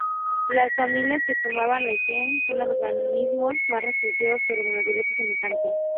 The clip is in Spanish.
Las familias que formaban la "gens "son organismos más reducidos, pero de naturaleza semejante.